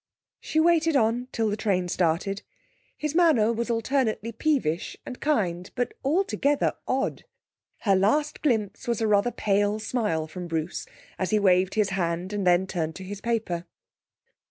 She waited on till the train started. His manner was alternately peevish and kind, but altogether odd. Her last glimpse was a rather pale smile from Bruce as he waved his hand and then turned to his paper....